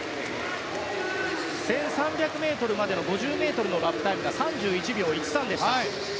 １３００ｍまでの５０ｍのラップタイムが３１秒１３でした。